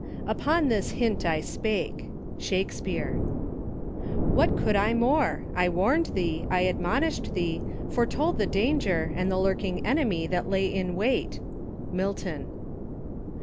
Upon this hint I spake.' '— Shakspeare. " What could I more ? I warn'd thee, I admonish'd thee, foretold The danger, and the lurking enemy That lay in wait."— Milton.